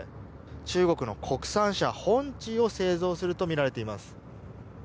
中国の国産車、紅旗を製造するとみられています。